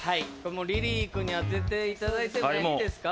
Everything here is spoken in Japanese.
もうリリー君に当てていただいてもいいですか？